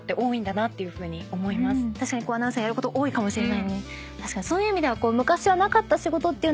確かにアナウンサーやること多いかもしれないね。